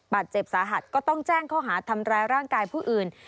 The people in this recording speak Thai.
บาดเจ็บสาหัสก็ต้องแจ้งข้อหาทำร้ายร่างกายผู้อื่น